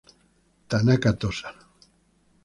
Tanaka Tosa